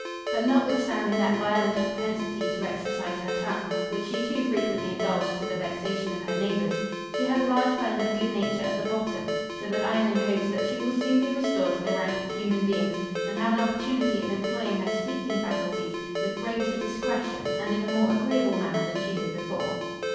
But notwithstanding that violent propensity to exercise her tongue, which she too frequently indulged to the vexation of her neighbours, she had a large fund of good nature at the bottom; so that I am in hopes that she will soon be restored to the rank of human beings, and have an opportunity of employing her speaking faculties with greater discretion and in a more agreeable manner than she did before.